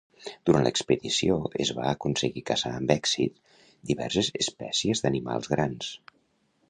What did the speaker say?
Durant l'expedició es va aconseguir caçar amb èxit diverses espècies d'animals grans.